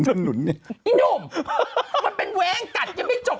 พี่หนุ่มมันเป็นแว้งกัดยังไม่จบ